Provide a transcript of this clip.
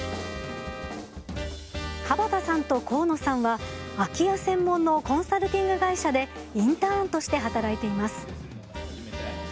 椛田さんと河野さんは空き家専門のコンサルティング会社でインターンとして働いています。